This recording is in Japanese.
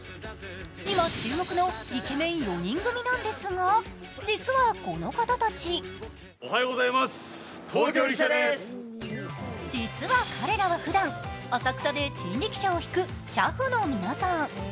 今、注目のイケメン４人組なんですが、実はこの方たち実は彼らはふだん、浅草で人力車舎を引く車夫の皆さん。